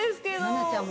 奈々ちゃん